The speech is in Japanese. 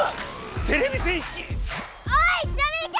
てれび戦士⁉おいチョビひげ！